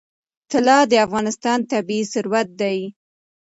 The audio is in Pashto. طلا د افغانستان طبعي ثروت دی.